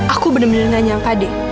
aku benar benar gak nyangka deh